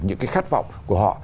những cái khát vọng của họ